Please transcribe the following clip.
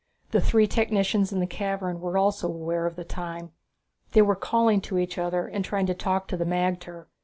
The three technicians in the cavern were also aware of the time. They were calling to each other and trying to talk to the magter.